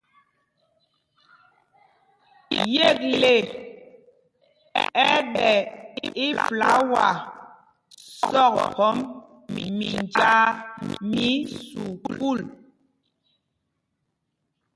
Yekle ɛ́ ɛ́ ɓɛ ifláwa sɔkphɔmb minjāā mí sukûl.